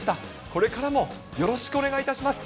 これからもよろしくお願いいたします。